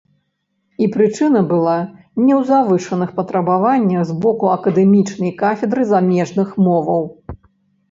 І прычына была не ў завышаных патрабаваннях з боку акадэмічнай кафедры замежных моваў.